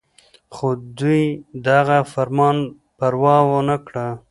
خو دوي د دغه فرمان پروا اونکړه